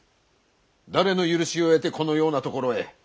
誰の許しを得てこのような所へ。